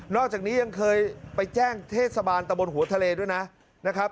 อกจากนี้ยังเคยไปแจ้งเทศบาลตะบนหัวทะเลด้วยนะครับ